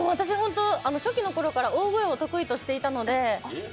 初期の頃から私、大声を特技としていたので。